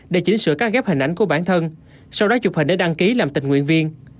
để chỉnh sửa cắt ghép hình ảnh của bản thân sau đó chụp hình để đăng ký làm tình nguyện viên